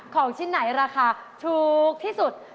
ของชิ้นไหนราคาถูกที่สุด